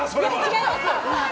違います。